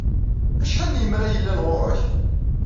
Acḥal n yemra ay yellan ɣur-k?